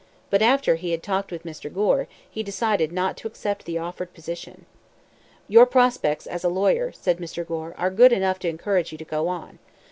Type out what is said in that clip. But after he had talked with Mr. Gore, he decided not to accept the offered position. "Your prospects as a lawyer," said Mr. Gore, "are good enough to encourage you to go on.